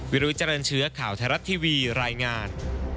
วิลวิจารณเชื้อข่าวไทยรัฐทีวีรายงาน